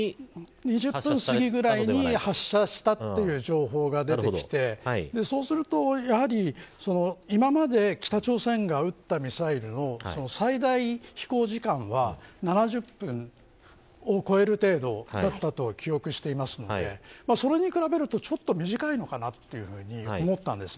７時２０分に過ぎぐらいに発射したという情報が出てきてそうすると、やはり今まで北朝鮮が撃ったミサイルの最大飛行時間は７０分を超える程度だったと記憶していますのでそれに比べると、ちょっと短いのかなというふうに思ったんです。